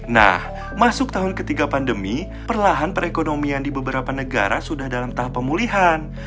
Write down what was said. nah masuk tahun ketiga pandemi perlahan perekonomian di beberapa negara sudah dalam tahap pemulihan